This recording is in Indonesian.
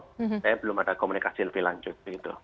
saya belum ada komunikasi lebih lanjut